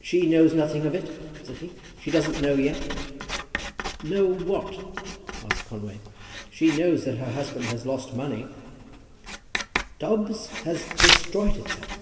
"She knows nothing of it?" said he. "She doesn't know yet?" "Know what?" asked Conway. "She knows that her husband has lost money." "Dobbs has destroyed himself."